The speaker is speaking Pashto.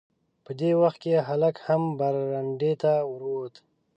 په دې وخت کې هلک هم برنډې ته ور ووت.